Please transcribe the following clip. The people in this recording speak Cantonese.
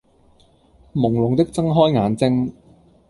朦朧的睜開眼睛